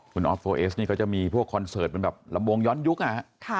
คุณออฟโฟเอสนี่เขาจะมีพวกคอนเสิร์ตเป็นแบบลำวงย้อนยุคนะฮะ